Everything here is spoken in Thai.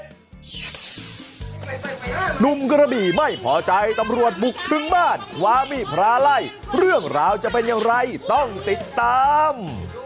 หนุ่มกระบี่ไม่พอใจตำรวจบุกถึงบ้านความมีพระไล่เรื่องราวจะเป็นอย่างไรต้องติดตาม